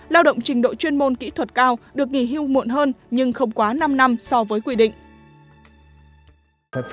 lao động trình độ chuyên môn kỹ thuật cao được nghỉ hưu muộn hơn nhưng không quá năm năm so với quy định